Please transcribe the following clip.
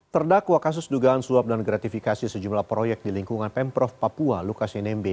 terdakwa kasus dugaan suap dan gratifikasi sejumlah proyek di lingkungan pemprov papua lukas nmb